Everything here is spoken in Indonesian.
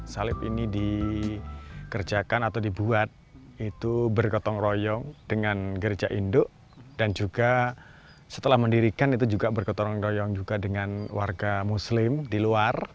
salib ini dikerjakan atau dibuat itu bergotong royong dengan gereja induk dan juga setelah mendirikan itu juga bergotong royong juga dengan warga muslim di luar